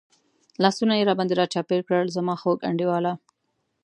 لاسونه یې را باندې را چاپېر کړل، زما خوږ انډیواله.